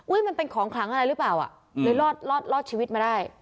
มันเป็นของขลังอะไรหรือเปล่าอ่ะเลยรอดรอดชีวิตมาได้